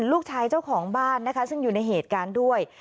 เจ้าของบ้านนะคะซึ่งอยู่ในเหตุการณ์ด้วย